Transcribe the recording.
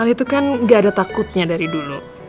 itu kan gak ada takutnya dari dulu